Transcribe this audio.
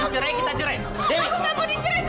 aku nggak mau dicerai sama kamu